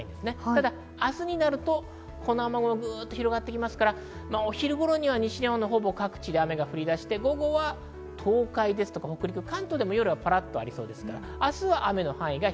ただ明日になると、この雨雲がぐっと広がってきますから、お昼頃には西日本の各地で雨が降り出し、午後は東海、北陸、関東でも夜はパラッとありそうです。